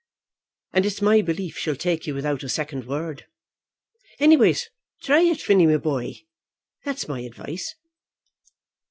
"And it's my belief she'll take you without a second word. Anyways, thry it, Phinny, my boy. That's my advice."